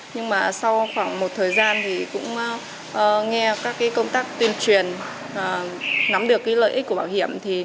nhưng mà sau khoảng một thời gian thì cũng nghe các công tác tuyên truyền nắm được lợi ích của bảo hiểm